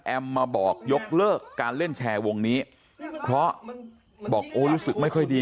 มาบอกยกเลิกการเล่นแชร์วงนี้เพราะบอกโอ้รู้สึกไม่ค่อยดี